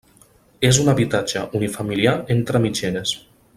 És un habitatge unifamiliar entre mitgeres.